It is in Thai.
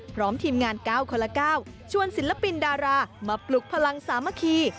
พร้อมทีมงาน๙คนละ๙ชวนศิลปินดารามาปลุกพลังสามัคคี